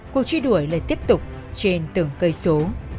cuộc truy đuổi lại tiếp tục trên từng cây số